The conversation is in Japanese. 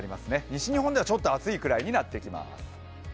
西日本ではちょっと暑いくらいになってきます。